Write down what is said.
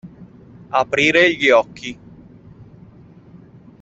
Aprire gli occhi.